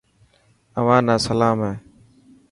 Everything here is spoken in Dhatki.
اوهان نا سلام هي.